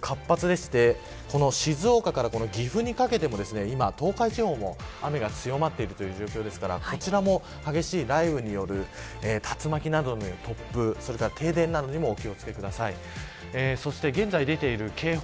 活発でして、静岡から岐阜にかけても東海地方も雨が強まっている状況ですからこちらも激しい雷雨による竜巻などによる突風、停電などにもお気を付けくださいそして現在出ている警報